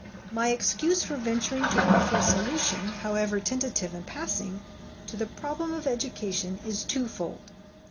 My excuse for venturing to offer a solution, however tentative and passing, to the problem of education is twofold.